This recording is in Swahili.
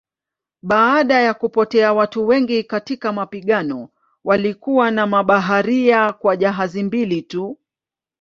Baada ya kupotea watu wengi katika mapigano walikuwa na mabaharia kwa jahazi mbili tu.